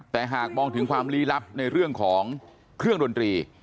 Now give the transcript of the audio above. แต่หากมองถึงความลี้ลับในเรื่องของเครื่องดนตรี